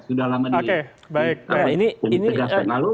sudah lama disegarkan lalu